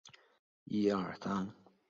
艺名中。